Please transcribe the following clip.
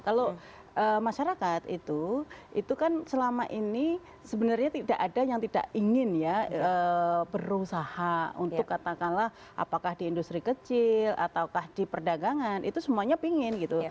kalau masyarakat itu itu kan selama ini sebenarnya tidak ada yang tidak ingin ya berusaha untuk katakanlah apakah di industri kecil ataukah di perdagangan itu semuanya pingin gitu